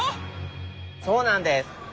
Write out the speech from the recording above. そうなんです。